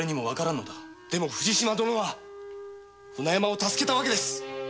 でも藤島殿は船山を助けた訳です。